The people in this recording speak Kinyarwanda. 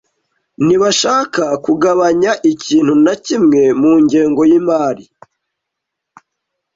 Ntibashaka kugabanya ikintu na kimwe mu ngengo yimari.